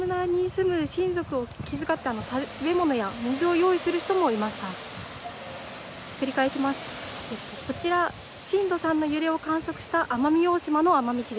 中には十島村に住む親族を気遣って食べ物や水を用意する人もいました。